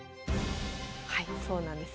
はいそうなんです。